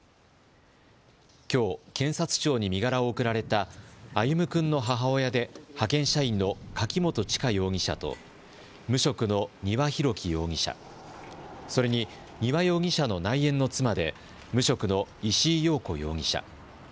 きょう検察庁に身柄を送られた歩夢君の母親で派遣社員の柿本知香容疑者と無職の丹羽洋樹容疑者、それに丹羽容疑者の内縁の妻で無職の石井陽子容疑者。